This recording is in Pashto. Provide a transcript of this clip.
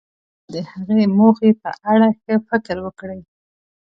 بیا دې د هغې موخې په اړه ښه فکر وکړي.